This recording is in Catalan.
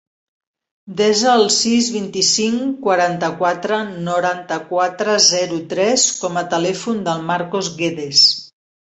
Desa el sis, vint-i-cinc, quaranta-quatre, noranta-quatre, zero, tres com a telèfon del Marcos Guedes.